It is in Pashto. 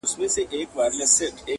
پیغام د ښکلیو کلماتو، استعارو، -